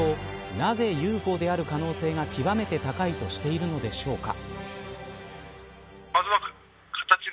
なぜＵＦＯである可能性が極めて高いとしているのでしょうか。